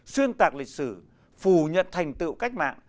xuyên tạc lịch sử phủ nhận thành tựu cách mạng